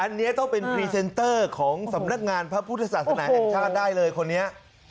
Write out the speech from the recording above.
อันนี้ต้องเป็นพรีเซนเตอร์ของสำนักงานพระพุทธศาสนาแห่งชาติได้เลยคนนี้